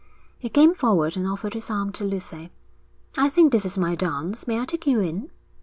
He came forward and offered his arm to Lucy. 'I think this is my dance. May I take you in?'